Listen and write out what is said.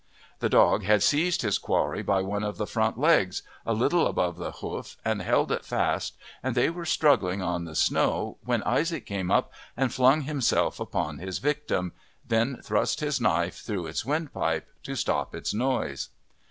The dog had seized his quarry by one of the front legs, a little above the hoof, and held it fast, and they were struggling on the snow when Isaac came up and flung himself upon his victim, then thrust his knife through its windpipe "to stop its noise."